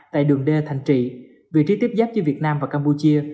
tại đường d thành trị vị trí tiếp giáp với việt nam và campuchia